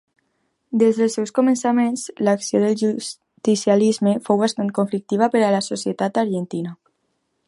Des dels seus començaments l'acció del justicialisme fou bastant conflictiva per a la societat argentina.